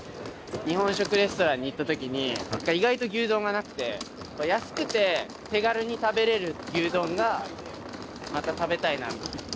日本食レストランに行ったときに、意外と牛丼がなくて、安くて手軽に食べれる牛丼が、また食べたいなと。